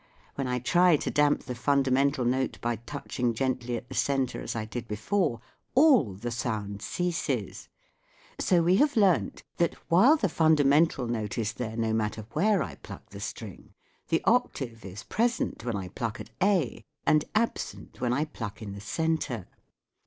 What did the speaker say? When I try to damp the fundamental note by touching gently at the centre as I did before, all the sound ceases. So we have learnt that while the fundamental note is there no matter where I pluck the string, the octave is present when I pluck at A and absent when I pluck in the centre.